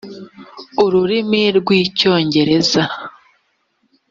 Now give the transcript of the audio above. ururimi rw icyongereza